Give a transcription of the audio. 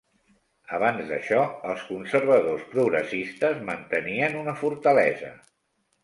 Abans d'això, els conservadors progressistes mantenien una fortalesa.